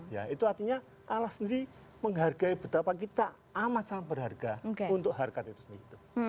ya itu artinya allah sendiri menghargai betapa kita amat sangat berharga untuk harkat itu sendiri